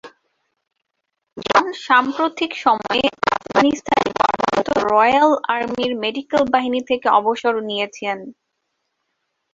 জন সাম্প্রতিক সময়ে আফগানিস্তানে কর্মরত রয়াল আর্মির মেডিক্যাল বাহিনী থেকে অবসর নিয়েছে।